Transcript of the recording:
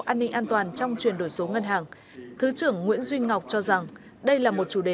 an ninh an toàn trong chuyển đổi số ngân hàng thứ trưởng nguyễn duy ngọc cho rằng đây là một chủ đề